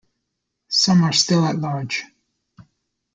Some are still at large.